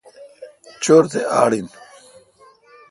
چو°ر تے آڑ این۔